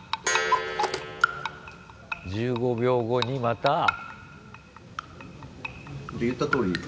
１５秒後にまた？